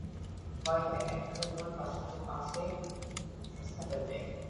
ভয় হয়, এক কানের ধন পাঁচ কানে পাছে সস্তা হয়ে যায়।